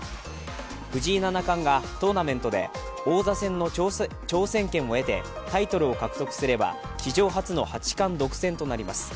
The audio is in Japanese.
藤井七冠がトーナメントで王座戦の挑戦権を得てタイトルを獲得すれば、史上初の八冠独占となります。